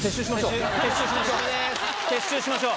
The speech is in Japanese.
撤収しましょう！